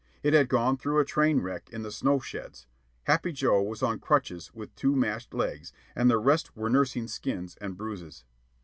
It had gone through a train wreck in the snow sheds; Happy Joe was on crutches with two mashed legs, and the rest were nursing skins and bruises.